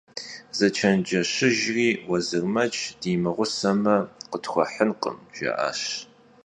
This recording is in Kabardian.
Zeçenceşıjjri «Vuezırmec di mığuseme, – khıtxuehınkhım», – jja'aş.